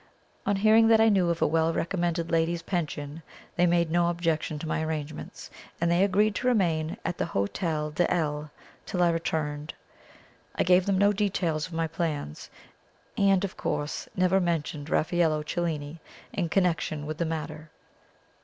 On hearing that I knew of a well recommended ladies' Pension, they made no objection to my arrangements, and they agreed to remain at the Hotel de L till I returned. I gave them no details of my plans, and of course never mentioned Raffaello Cellini in connection with the matter.